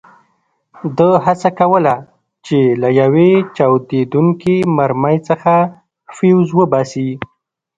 ده هڅه کوله چې له یوې چاودېدونکې مرمۍ څخه فیوز وباسي.